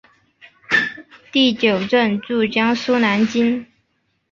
第九镇驻江苏南京。